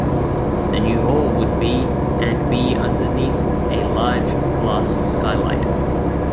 The new hall would be and be underneath a large glass skylight.